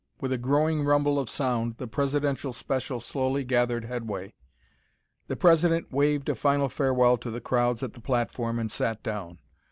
With a growing rumble of sound, the Presidential special slowly gathered headway. The President waved a final farewell to the crowds at the platform and sat down.